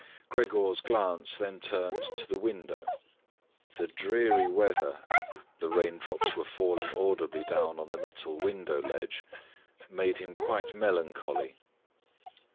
Gregor's glance then turned to the window. The dreary weather—the rain drops were falling audibly down on the metal window ledge—made him quite melancholy.